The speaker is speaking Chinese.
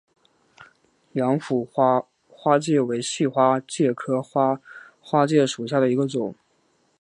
阳虎花花介为细花介科花花介属下的一个种。